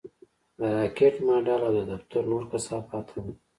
د راکټ ماډل او د دفتر نور کثافات هم وو